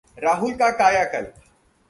राहुल का कायाकल्प